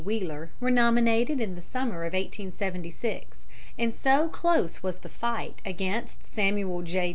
Wheeler were nominated in the summer of 1876, and so close was the fight against Samuel J.